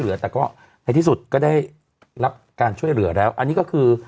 เหลือแต่ก็ในที่สุดก็ได้รับการช่วยเหลือแล้วอันนี้ก็คือ